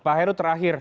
pak heru terakhir